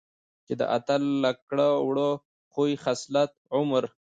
چې د اتل له کړه وړه ،خوي خصلت، عمر،